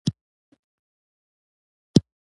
زموږ د هېواد ډېر ښارونه ونیول شول.